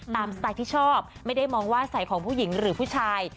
สไตล์ที่ชอบไม่ได้มองว่าใส่ของผู้หญิงหรือผู้ชาย